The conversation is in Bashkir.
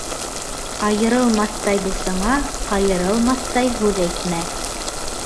Айырылмаҫтай дуҫыңа ҡайырылмаҫтай һүҙ әйтмә.